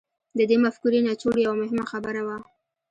د دې مفکورې نچوړ يوه مهمه خبره وه.